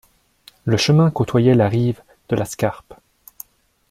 Le chemin côtoyait la rive de la Scarpe.